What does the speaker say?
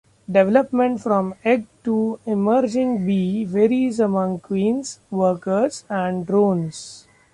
Development from egg to emerging bee varies among queens, workers, and drones.